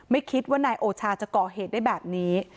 ไม่คิดว่านายโอชาจะก่อเหตุได้แบบนี้